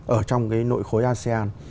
ở trong cái nội khối asean